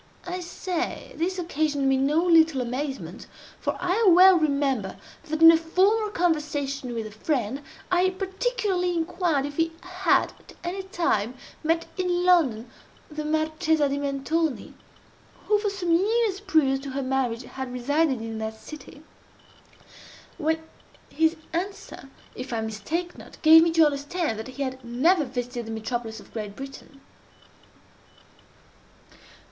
I say, this occasioned me no little amazement; for I well remember that, in a former conversation with a friend, I particularly inquired if he had at any time met in London the Marchesa di Mentoni, (who for some years previous to her marriage had resided in that city,) when his answer, if I mistake not, gave me to understand that he had never visited the metropolis of Great Britain.